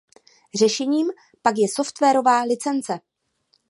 Řešením pak je softwarová licence.